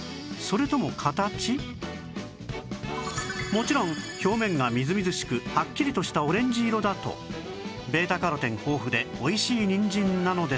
もちろん表面がみずみずしくはっきりとしたオレンジ色だと β− カロテン豊富でおいしいにんじんなのですが